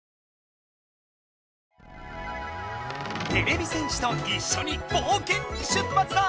てれび戦士といっしょにぼうけんに出発だ！